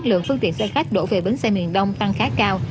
lượng phương tiện xe khách đổ về bến xe miền đông tăng khá cao